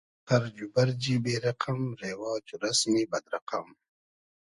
خئرج و بئرجی بې رئقئم , رېواج و رئسمی بئد رئقئم